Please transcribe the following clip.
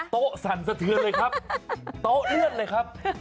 สั่นสะเทือนเลยครับโต๊ะเลื่อนเลยครับ